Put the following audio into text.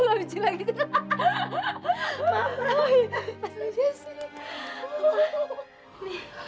ayu gak benci lagi sama ay